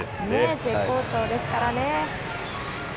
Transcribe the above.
絶好調ですからね。